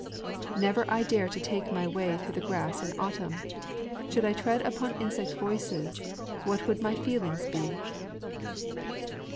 Never I dare to take my way through the grass in autumn: Should I tread upon insect voices what would my feelings be!